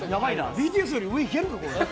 ＢＴＳより上いけるか？